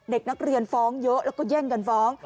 เด็กนักเรียนฟ้องเยอะแล้วก็แย่งกันฟ้อง